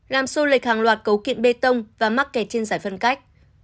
làm sô lệch hàng loạt cấu kiện bê tông và mắc kẹt trên giải phân cách